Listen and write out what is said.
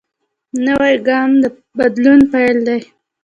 نوی ګام د بدلون پیل دی